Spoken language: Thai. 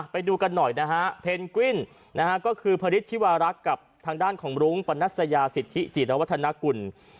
ไปดูกันหน่อยนะฮะเพนกวิ่นก็คือผลิตชีวรักกับทางด้านของรุ้งปรนัสยาสิทธิจิตรวัฒนากุล